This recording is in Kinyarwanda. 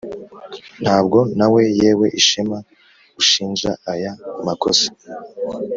ntabwo nawe, yewe ishema, ushinja aya makosa